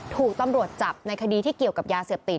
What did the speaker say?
ถูกตำรวจจับในคดีที่เกี่ยวกับยาเสพติด